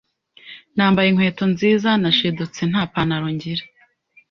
nambaye inkweto nziza nashidutse nta pantalo ngira”.